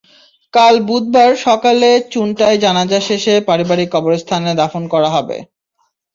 কাল বুধবার সকালে চুন্টায় জানাজা শেষে পারিবারিক কবরস্থানে দাফন করা হবে।